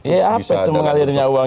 ya apa itu mengalirnya uang